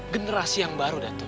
generasi yang baru datuk